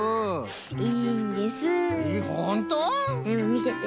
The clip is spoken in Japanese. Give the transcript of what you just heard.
みてて。